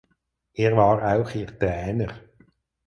Er war auch ihr Trainer.